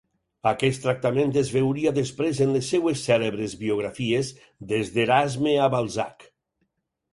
Aquest tractament es veuria després en les seves cèlebres biografies, des d'Erasme a Balzac.